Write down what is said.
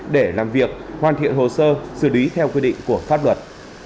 để làm việc hoàn thiện hồ sơ xử lý theo quy định của pháp luật